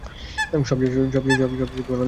সবচেয়ে আনন্দময় একটা দিন।